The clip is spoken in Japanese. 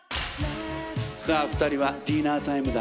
さあ２人はディナータイムだ。